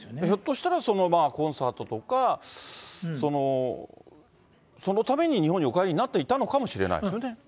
ひょっとしたら、そのコンサートとか、そのために日本にお帰りになっていたのかもしれないですよね。